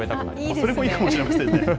それもいいかもしれませんね。